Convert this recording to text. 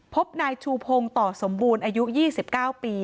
พบนายชูพงศ์ต่อสมบูรณ์อายุ๒๙ปี